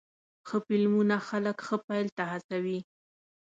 ښه فلمونه خلک ښه پیل ته هڅوې.